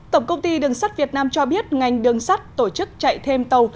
tổng công ty đường sắt việt nam cho biết ngành đường sắt tổ chức chạy thêm tàu